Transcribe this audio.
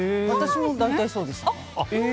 私も、大体そうでした。